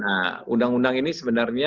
nah undang undang ini sebenarnya